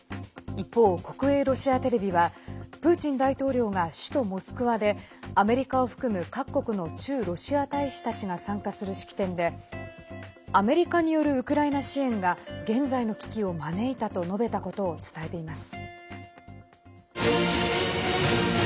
一方、国営ロシアテレビはプーチン大統領が首都モスクワでアメリカを含む各国の駐ロシア大使たちが参加する式典でアメリカによるウクライナ支援が現在の危機を招いたと述べたことを伝えています。